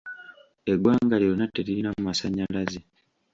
Eggwanga lyonna teririna masannyalaze.